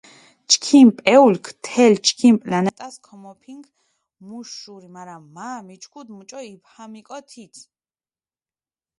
ჩქიმ პეულქ თელ ჩქიმ პლანეტას ქომოფინჷ მუშ შური, მარა მა მიჩქუდჷ მუჭო იბჰამიკო თით.